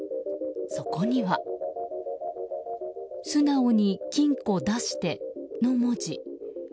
そこには「すなおに金庫だして」の文字。